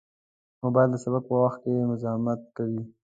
موبایل د سبق په وخت کې مزاحمت کوي.